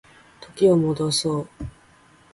時を戻そう